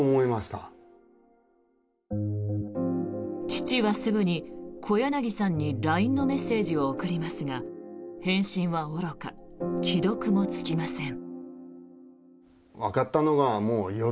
父はすぐに小柳さんにＬＩＮＥのメッセージを送りますが返信はおろか既読もつきません。